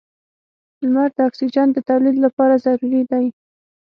• لمر د اکسیجن د تولید لپاره ضروري دی.